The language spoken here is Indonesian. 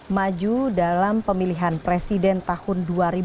maju dalam pemilihan presiden tahun dua ribu empat